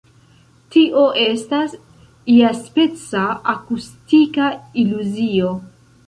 Tio estas iaspeca „akustika iluzio“.